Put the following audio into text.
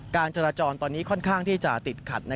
การจราจรตอนนี้ค่อนข้างที่จะติดขัด